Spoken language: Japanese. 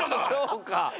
そうか。